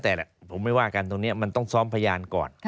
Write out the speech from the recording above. แต่ผมไม่ว่ากันตรงนี้มันต้องซ้อมพยานก่อน